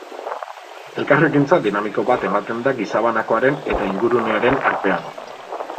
Elkarrekintza dinamiko bat ematen da gizabanakoaren eta ingurunearen artean.